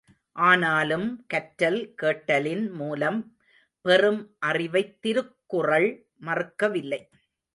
ஆனாலும், கற்றல் கேட்டலின் மூலம் பெறும் அறிவைத் திருக்குறள் மறுக்கவில்லை.